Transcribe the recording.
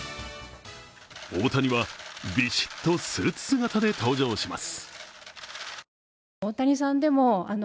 大谷はビシッとスーツ姿で登場します。